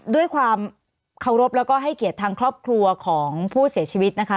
ด้วยความเคารพแล้วก็ให้เกียรติทางครอบครัวของผู้เสียชีวิตนะคะ